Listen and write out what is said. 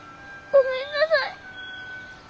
ごめんなさい。